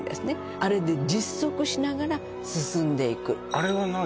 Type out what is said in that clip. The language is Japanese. あれで実測しながら進んでいくあれは何？